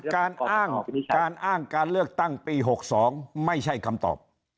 การอ้างการอ้างการเลือกตั้งปี๖๒ไม่ใช่คำตอบ